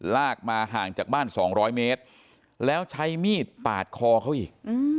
ลากมาห่างจากบ้าน๒๐๐เมตรแล้วใช้มีดปาดคอเขาอีก